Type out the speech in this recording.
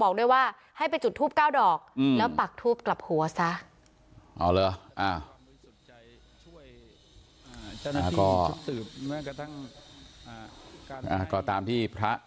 บอกด้วยว่าให้เป็นจุดถูปก้าวดอกแล้วปากถูปรอบหัวซะ